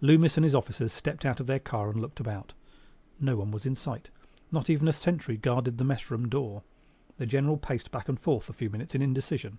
Loomis and his officers stepped out of their car and looked about. No one was in sight. Not even a sentry guarded the mess room door. The General paced back and forth a few minutes in indecision.